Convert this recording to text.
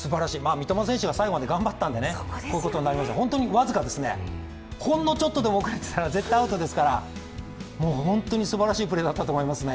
三笘選手が最後まで頑張ったのでこういうことになりましたが本当に僅か、ほんのちょっとでも遅れていたらアウトですから本当にすばらしいプレーだったと思いますね。